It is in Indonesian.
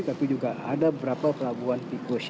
tapi juga ada beberapa pelabuhan tikus